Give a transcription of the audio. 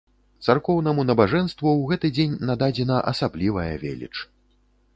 Царкоўнаму набажэнству ў гэты дзень нададзена асаблівая веліч.